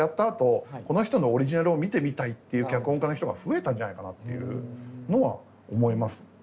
あとこの人のオリジナルを見てみたいっていう脚本家の人が増えたんじゃないかなっていうのは思います。